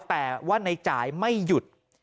แต่ว่าในจ่ายไม่หยุด